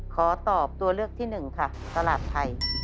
ขอตอบตัวเลือกที่หนึ่งค่ะตลาดไทย